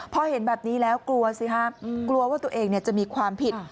พอเห็นแบบนี้แล้วกลัวสิฮะกลัวว่าตัวเองจะมีความผิด